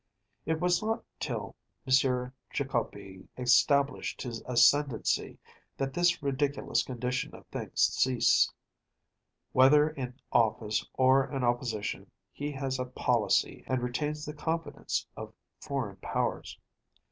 It was not till M. Trikoupi established his ascendency that this ridiculous condition of things ceased. Whether in office or in opposition, he has a policy, and retains the confidence of foreign powers.